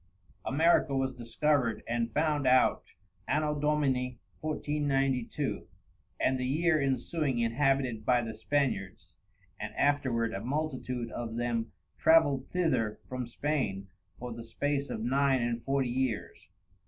America was discovered and found out Ann. Dom. 1492, and the Year insuing inhabited by the Spaniards, and afterward a multitude of them travelled thither from Spain for the space of Nine and Forty Years.